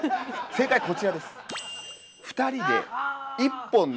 正解はこちらです。